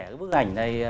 cái bức ảnh này